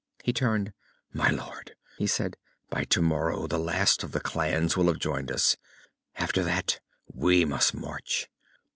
He turned. "My Lord," he said. "By tomorrow the last of the clans will have joined us. After that, we must march.